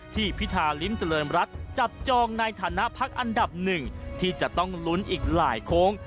พิธาริมเจริญรัฐจับจองในฐานะพักอันดับหนึ่งที่จะต้องลุ้นอีกหลายโค้ง